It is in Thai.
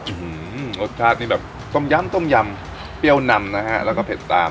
หือรสชาตินี่แบบต้มยำต้มยำเปรี้ยวนำนะฮะแล้วก็เผ็ดตาม